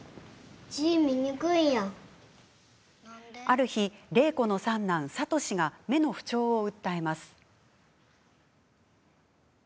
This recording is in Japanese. ある日、令子の三男、智が目の不調を訴えます。